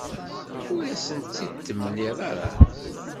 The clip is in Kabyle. Ur as-t-id-temliḍ ara.